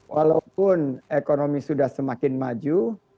walaupun ekonomi sudah semakin maju